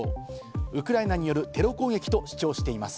ウクライナによるテロ攻撃と主張しています。